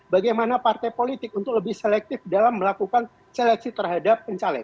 bagaimana partai politik untuk lebih selektif dalam melakukan seleksi terhadap pencaleg